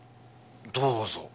どうぞ。